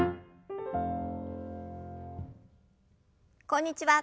こんにちは